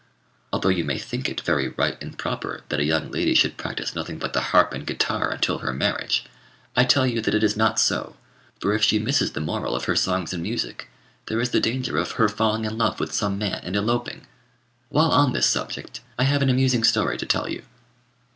Although you may think it very right and proper that a young lady should practise nothing but the harp and guitar until her marriage, I tell you that it is not so; for if she misses the moral of her songs and music, there is the danger of her falling in love with some man and eloping. While on this subject, I have an amusing story to tell you.